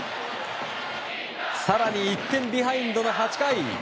更に、１点ビハインドの８回。